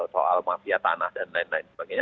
soal mafia tanah dan lain lain sebagainya